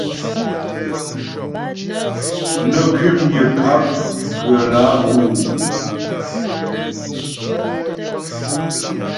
Nə kwəpnyə ŋkáp ghə̀ lǎ bǔ ?